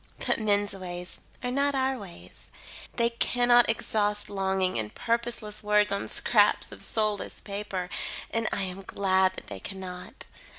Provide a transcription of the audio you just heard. But men's ways are not our ways. They cannot exhaust longing in purposeless words on scraps of soulless paper, and I am glad that they cannot.